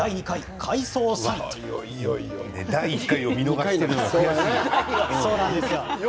第１回を見逃しているのが悔しいよ。